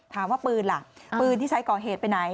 ถามว่าปืนล่ะปืนที่ใช้ก่อเหตุไปไหน